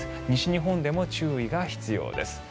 西日本でも注意が必要です。